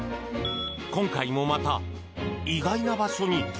今回もまた、意外な場所に。